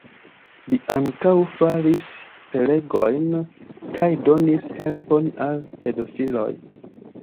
Li ankaŭ faris prelegojn kaj donis helpon al pedofiloj.